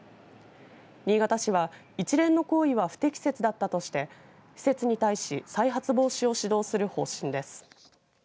新潟市は、一連の行為は不適切だったとして施設に対し再発防止を指導する方針です。